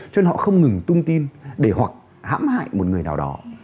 cho nên họ không ngừng tung tin để hoặc hãm hại một người nào đó